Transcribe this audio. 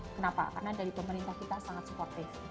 kenapa karena dari pemerintah kita sangat sportif